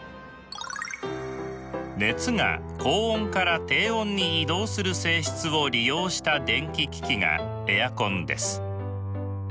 熱が高温から低温に移動する性質を利用した電気機器がエアコンです。